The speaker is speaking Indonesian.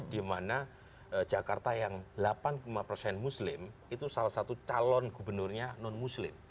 di mana jakarta yang delapan puluh lima persen muslim itu salah satu calon gubernurnya non muslim